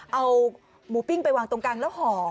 เอาหมูปิ้งไปวางตรงกลางแล้วห่อ